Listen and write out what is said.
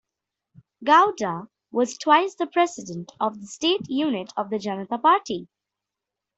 Gowda was twice the President of state unit of the Janata Party.